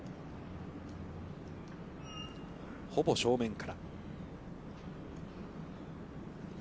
ほぼ正面から。